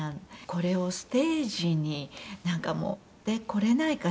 “これをステージになんか持ってこれないかしら？”っていって」